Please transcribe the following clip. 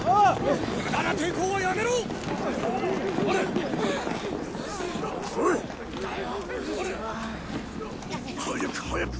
無駄な抵抗はやめろ！早く早く。